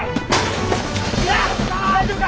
大丈夫か！